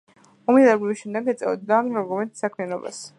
ომიდან დაბრუნების შემდეგ ეწეოდა მთარგმნელობით საქმიანობას.